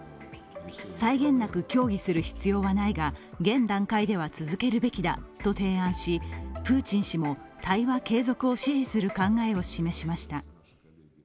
際限なく協議する必要はないが、現段階では続けるべきだと提案しプーチン氏も、対話継続を支持する考えを示しました。